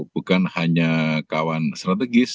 bukan hanya kawan strategis